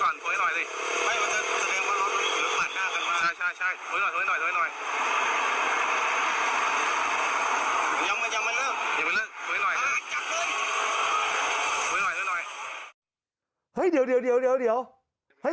น่าให้รวบเลยมีปืน